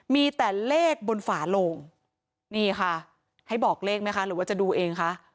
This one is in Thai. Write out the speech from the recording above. มีแต่เลขบนฝาโลงนี่ค่ะให้บอกเลขไหมคะหรือว่าจะดูเองคะ